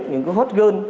những hot girl